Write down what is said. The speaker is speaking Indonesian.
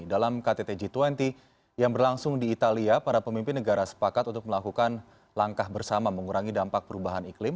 dalam ktt g dua puluh yang berlangsung di italia para pemimpin negara sepakat untuk melakukan langkah bersama mengurangi dampak perubahan iklim